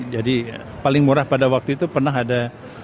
jadi paling murah pada waktu itu pernah ada